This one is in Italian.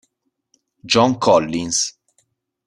John Collins